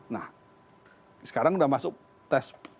nah sekarang sudah masuk tes